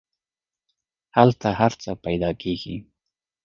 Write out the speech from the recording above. هلته هر څه پیدا کیږي.